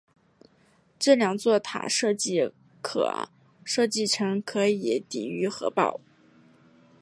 这两座塔设计成可以抵御核爆。